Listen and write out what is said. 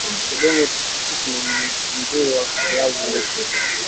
udongo tifutifu ni mzuri kwa viazi lishe